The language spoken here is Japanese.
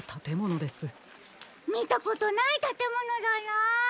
みたことないたてものだな。